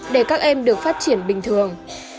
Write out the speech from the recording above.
để các em được phát triển bình thường